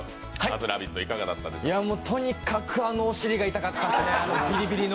とにかくお尻が痛かったですね、ビリビリの。